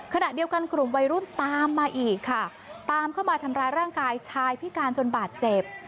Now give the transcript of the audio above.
ขณะเดียวกันกลุ่มวัยรุ่นตามมาอีกค่ะตามเข้ามาทำร้ายร่างกายชายพิการจนบาดเจ็บ